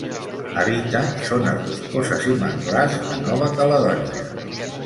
Habita zones boscoses i manglars de Nova Caledònia.